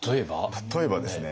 例えばですね